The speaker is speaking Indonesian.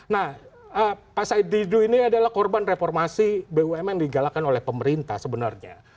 nah pak said didu ini adalah korban reformasi bumn digalakan oleh pemerintah sebenarnya